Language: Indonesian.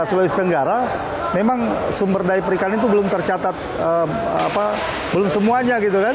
sulawesi tenggara memang sumber daya perikanan itu belum tercatat belum semuanya gitu kan